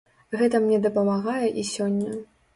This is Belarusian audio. Гэта мне дапамагае і сёння.